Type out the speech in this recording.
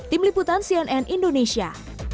tim liputan cnn indonesia